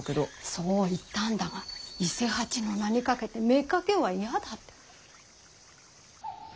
そう言ったんだが「伊勢八の名にかけて妾は嫌だ」って。